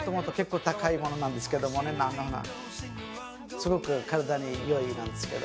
すごく体にいいんですけど。